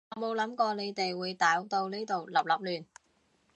我冇諗過你哋會搞到呢度笠笠亂